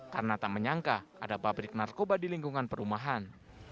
karena tak menyangka ada pabrik narkoba di lingkungan perumahan